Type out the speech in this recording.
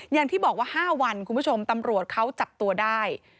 อย่างที่บอกว่า๕วันคุณผู้ชมตำรวจเขาจับตัวได้